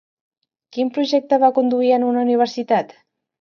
Quin projecte va conduir en una universitat?